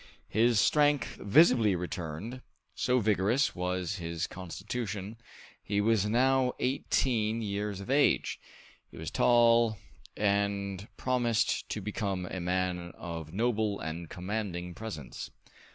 His strength visibly returned, so vigorous was his constitution. He was now eighteen years of age. He was tall, and promised to become a man of noble and commanding presence.